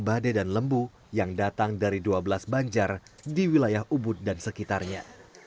badai dan lembu yang datang dari dua belas banjar di wilayah ubud dan sekitarnya